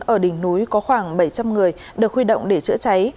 ở đỉnh núi có khoảng bảy trăm linh người được huy động để chữa cháy